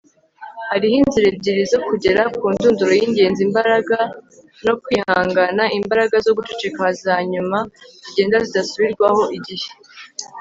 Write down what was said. hariho inzira ebyiri zo kugera ku ndunduro y'ingenzi, imbaraga no kwihangana; imbaraga zo guceceka zanyuma zigenda zidasubirwaho igihe